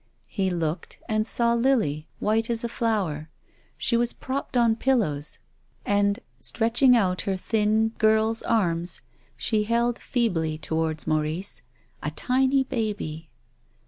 " He looked and saw Lily, white as a flower. She was propped on pillows, and, stretching out her 264 TONGUES OF CONSCIENCE. thin girl's arms, she held feebly towards Maurice a tiny baby.